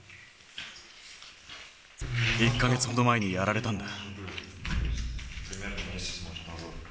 １か月ほど前に、やられたんだ。